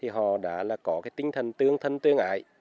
họ đã có tinh thần tương thân tương ải